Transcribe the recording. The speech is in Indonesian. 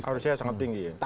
harusnya sangat tinggi ya